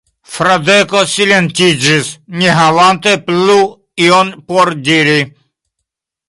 Fradeko silentiĝis, ne havante plu ion por diri.